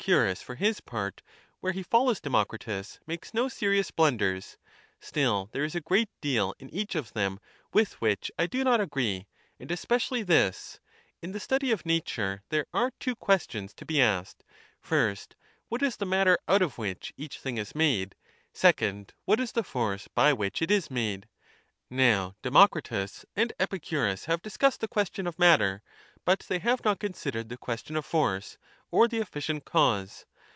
s for his part, where he follows Deaiocritus, lo serious blunders. Still, there is a great 1 each of them with which I do not agree, and especially this ; in the study of Nature there are two questions to be asked, first, what is the matter out of which each thingismade, second, what is the force by which it is made; now Democritus and Epicurus have discussed the question of matter, but tliey have not considered the question of force or the efficient cause.